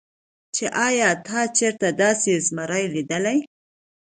چې ايا تا چرته داسې زمرے ليدلے